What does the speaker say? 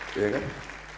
ada yang mengatakan